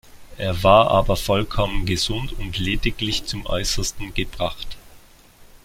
Er war aber vollkommen gesund und lediglich zum Äußersten gebracht.